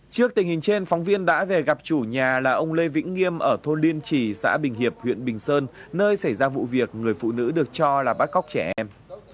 trước tình hình trên phóng viên đã về gặp chủ nhà là ông lê vĩnh nghiêm ở thôn liên trì xã bình hiệp huyện bình sơn nơi xảy ra vụ việc người phụ nữ được cho là bắt cóc trẻ em